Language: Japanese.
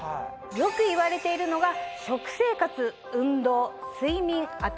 よくいわれているのが。